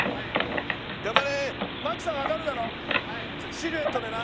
シルエットでな。